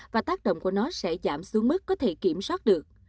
và tác động của nó sẽ giảm xuống mức có thể kiểm soát được